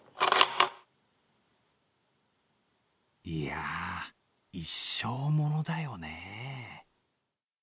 いや一生ものだよね。